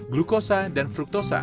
glukosa dan fruktosa